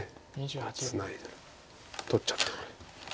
ツナいで取っちゃって。